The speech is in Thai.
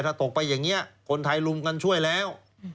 ถ้าตกไปอย่างนี้คนไทยลุมกันช่วยแล้ว